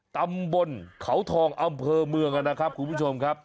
ตำบลเขาทองอำเภอเมืองนะครับคุณผู้ชมครับ